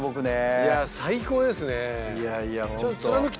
いや最高ですね。